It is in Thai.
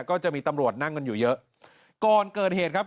ก็จะมีตำรวจนั่งกันอยู่เยอะก่อนเกิดเหตุครับ